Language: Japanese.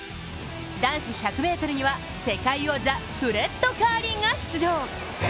男子１００ｍには世界王者フレッド・カーリーが出場。